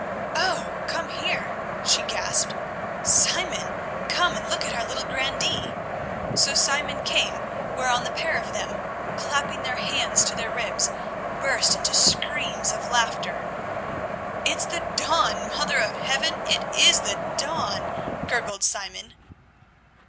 "Oh! come here," she gasped. "Simon, come and look at our little grandee." So Simon came, whereon the pair of them, clapping their hands to their ribs, burst into screams of laughter. "It's the Don! Mother of Heaven! it is the Don," gurgled Simon.